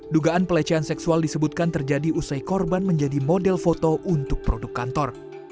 dugaan pelecehan seksual disebutkan terjadi usai korban menjadi model foto untuk produk kantor